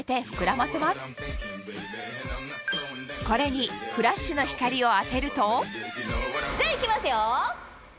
これにフラッシュの光を当てるとじゃあいきますよ！